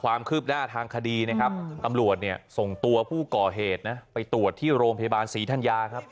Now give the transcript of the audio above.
ความคืบหน้าทางคดีนะครับตำรวจเนี่ยส่งตัวผู้ก่อเหตุนะไปตรวจที่โรงพยาบาลศรีธัญญาครับ